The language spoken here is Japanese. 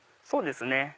そうですね。